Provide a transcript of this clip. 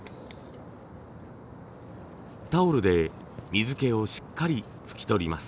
タオルで水気をしっかり拭き取ります。